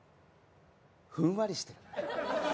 ふんわりしてる。